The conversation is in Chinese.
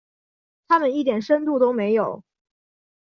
他们一点深度都没有。